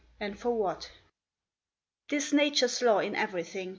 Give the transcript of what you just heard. And for what ? T is Nature s law in everything.